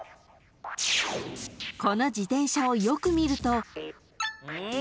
［この自転車をよく見ると］